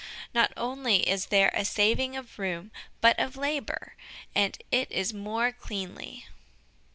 Not only is there a saving of room, but of labor, and it is more cleanly.